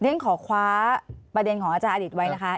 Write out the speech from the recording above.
ดิงขอคว้าประเด็นของอออดิษฎ์ไว้นะคะ